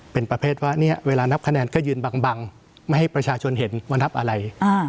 เป็นประเภทว่าเนี่ยเวลานับคะแนนก็ยืนบังไม่ให้ประชาชนเห็นวันนับอะไร